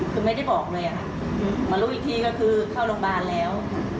คือไม่ได้บอกเลยค่ะมารู้อีกทีก็คือเข้าโรงพยาบาลแล้ว